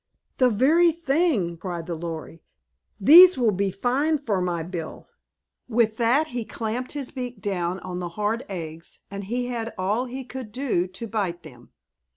"The very thing!" cried the Lory. "These will be fine for my bill!" With that he champed his beak down on the hard eggs and he had all he could do to bite them.